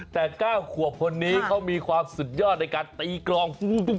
แต่๙ขวบคนนี้เขามีความสุดยอดในการตีกรอง